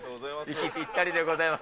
息ぴったりでございます。